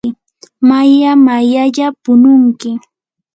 maya mayalla pununki.